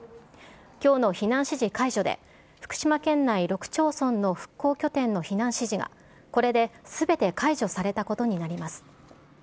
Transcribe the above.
きょうの避難指示解除で、福島県内６町村の復興拠点の避難指示が、これですべて解除されたことになります。